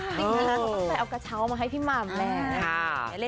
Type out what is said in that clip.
จริงแล้วเขาก็ใส่เอากระเช้ามาให้พี่หม่ำแหล่ง